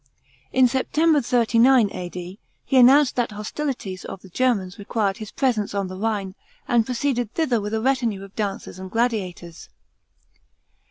In September, 39 A.D , he announced that hostilities of the Germans required his presence on the Rhine, and proceeded thither with a retinue of dancers and gladiators.